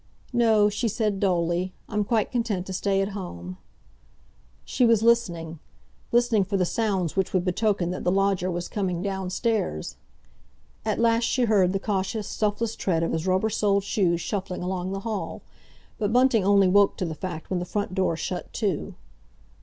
"No," she said dully. "I'm quite content to stay at home." She was listening—listening for the sounds which would betoken that the lodger was coming downstairs. At last she heard the cautious, stuffless tread of his rubber soled shoes shuffling along the hall. But Bunting only woke to the fact when the front door shut to.